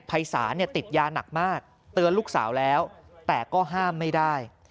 ภัยสาเนี่ยติดยาหนักมากเตือนลูกสาวแล้วแต่ก็ห้ามไม่ได้